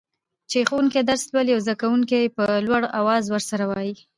چي ښوونکي درس لولي او زده کوونکي يي په لوړ اواز ورسره وايي.